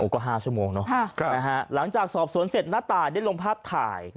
ก็๕ชั่วโมงเนอะหลังจากสอบสวนเสร็จน้าตายได้ลงภาพถ่าย